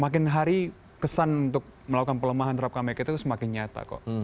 makin hari kesan untuk melakukan pelemahan terhadap kpk itu semakin nyata kok